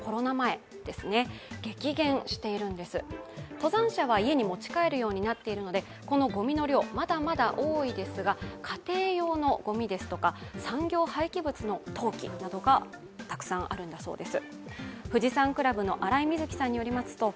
登山者が家に持ち帰るようになっているのでこのごみの量、まだまだ多いですが、家庭用のごみですとか、産業廃棄物の投棄などがたくさんあるようです。